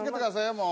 もう。